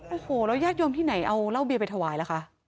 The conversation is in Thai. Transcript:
โอ้โหแล้วญาติโยมที่ไหนเอาเหล้าเบียไปถวายล่ะคะ